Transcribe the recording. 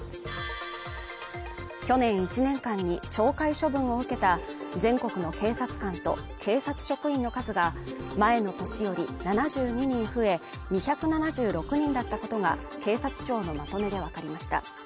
去年１年間に懲戒処分を受けた全国の警察官と警察職員の数が前の年より７２人増え２７６人だったことが警察庁のまとめで分かりました